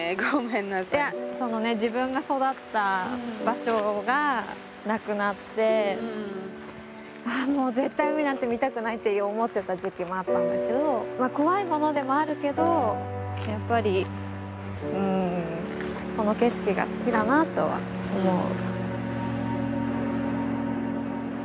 いやそのね自分が育った場所がなくなってあもう絶対海なんて見たくないって思ってた時期もあったんだけど怖いものでもあるけどやっぱりうんこの景色が好きだなとは思う。